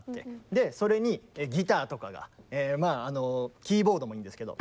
でそれにギターとかがまああのキーボードもいいんですけど。